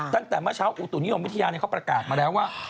ตั้งแต่เมื่อเช้าอุตุนิยมวิทยาเขาประกาศมาแล้วว่า